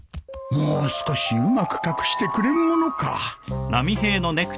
もう少しうまく隠してくれんものか